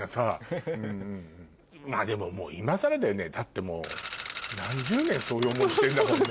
まぁでももう今更だよねだってもう何十年そういう思いしてんだもんね。